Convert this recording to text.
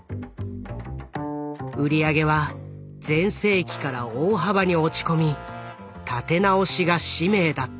売り上げは全盛期から大幅に落ち込み立て直しが使命だった。